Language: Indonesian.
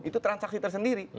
itu transaksi tersendiri